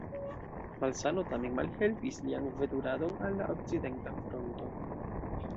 Malsano tamen malhelpis lian veturadon al la Okcidenta Fronto.